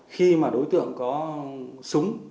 khi mà đối tượng có súng